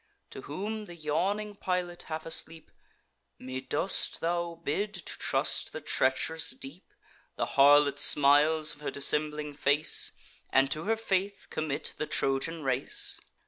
To whom the yawning pilot, half asleep: "Me dost thou bid to trust the treach'rous deep, The harlot smiles of her dissembling face, And to her faith commit the Trojan race?